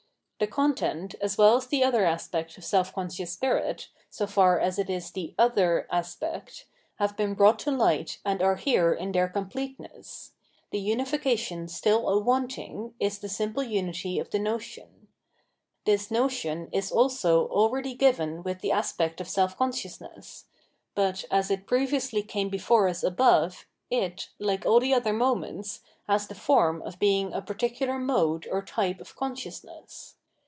The content, as well as the other aspect of self conscious spirit, so far as it is the other aspect, have been brought to light and are here in their completeness : the unification stiU a wanting is the simple unity of the notion. This notion is also aheady given with the aspect of self consciousness ; but as it previously came before us m Absolute Knoivledge above, it, like all tbe other moments, has the form of being a particular mode or type of consciousness.